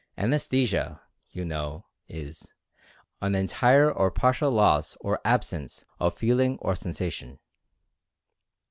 Anaesthesia, you know is "an entire or partial loss or absence of feeling or sensation."